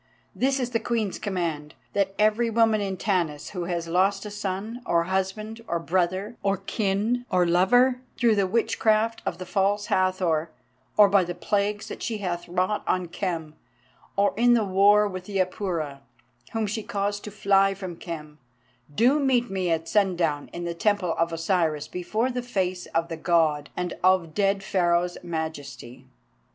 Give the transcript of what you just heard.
This is the Queen's command, that 'every woman in Tanis who has lost son, or husband, or brother, or kin or lover, through the witchcraft of the False Hathor, or by the plagues that she hath wrought on Khem, or in the war with the Apura, whom she caused to fly from Khem, do meet me at sundown in the Temple of Osiris before the face of the God and of dead Pharaoh's Majesty.